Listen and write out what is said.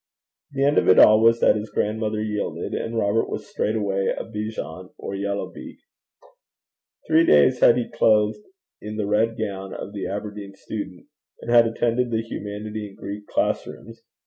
The end of it all was that his grandmother yielded, and Robert was straightway a Bejan, or Yellow beak. Three days had he been clothed in the red gown of the Aberdeen student, and had attended the Humanity and Greek class rooms.